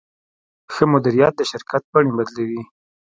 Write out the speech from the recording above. ښه مدیریت د شرکت بڼې بدلوي.